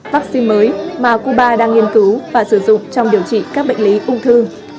vaccine mới mà cuba đang nghiên cứu và sử dụng trong điều trị các bệnh lý ung thư